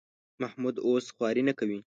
محمود اوس خواري نه کوي.